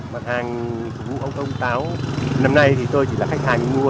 mặt hàng phục vụ ông công táo năm nay thì tôi chỉ là khách hàng mua